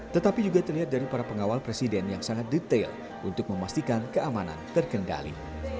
tetapi juga terlihat dari para pengawal presiden yang sangat detail untuk memastikan keamanan terkendali